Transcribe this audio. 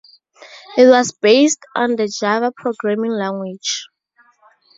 It was based on the Java programming language.